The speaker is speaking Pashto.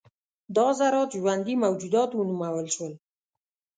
دا ذرات ژوندي موجودات ونومول شول.